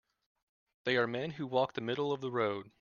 They are men who walk the middle of the road.